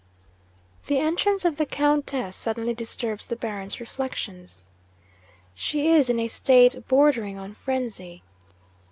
'The entrance of the Countess suddenly disturbs the Baron's reflections. She is in a state bordering on frenzy.